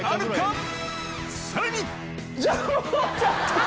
さらに！